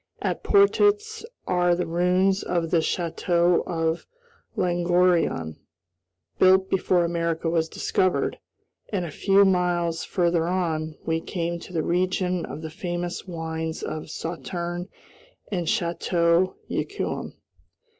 At Portets are the ruins of the Château of Langoiran, built before America was discovered, and, a few miles farther on, we came to the region of the famous wines of Sauterne and Château Yquem.